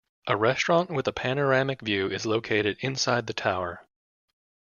A restaurant with a panoramic view is located inside the tower.